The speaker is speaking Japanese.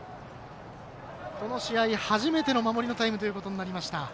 この試合、初めての守りのタイムとなりました。